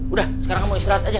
udah sekarang kamu istirahat aja